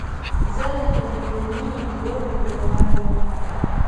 زه د تلویزیوني لوبې مینهوال یم.